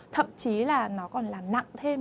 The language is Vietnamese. thậm chí là nó còn làm nặng thêm